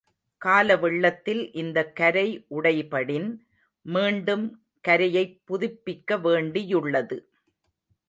கால வெள்ளத்தில் இந்தக் கரை உடைபடின், மீண்டும் கரையைப் புதுப்பிக்க வேண்டி யுள்ளது.